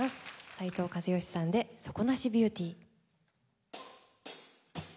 斉藤和義さんで「底無しビューティー」。